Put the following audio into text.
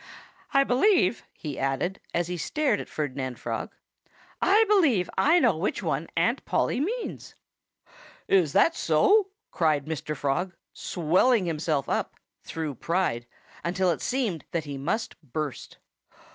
... I believe " he added, as he stared at Ferdinand Frog "I believe I know which one Aunt Polly means." "Is that so?" cried Mr. Frog, swelling himself up through pride until it seemed that he must burst.